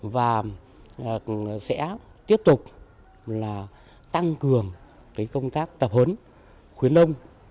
và sẽ tiếp tục là tăng cường cái công tác tập hấn khuyến nông